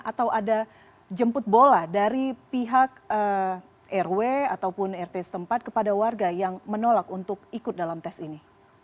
atau ada jemput bola dari pihak rw ataupun rt setempat kepada warga yang menolak untuk ikut dalam tes ini